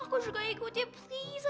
aku juga ikut ya please